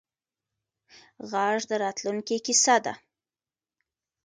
غږ د راتلونکې کیسه ده